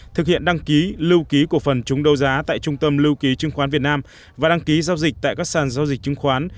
thực hiện đăng ký lưu ký cổ phần chúng đấu giá tại trung tâm lưu ký chứng khoán việt nam và đăng ký giao dịch tại các sàn giao dịch chứng khoán